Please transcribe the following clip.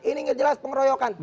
ini jelas pengeroyokan